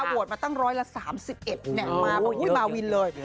โหวตมาตั้งร้อยละ๓๑มาวินเลย